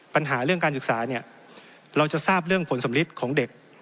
ปัญหาเรื่องการศึกษาเนี่ยเราจะทราบเรื่องผลสำลิดของเด็ก